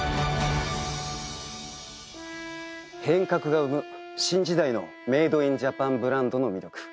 変革が生む新時代のメイド・イン・ジャパンブランドの魅力。